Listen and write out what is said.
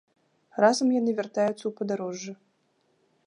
Разам яны вяртаюцца ў падарожжа.